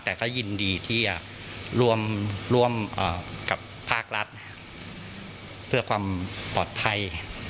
แต่ก็ยินดีที่จะร่วมกับภาครัฐเพื่อความปลอดภัย